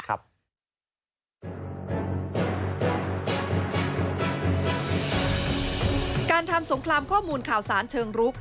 การทำสงครามข้อมูลข่าวสารเชิงรุก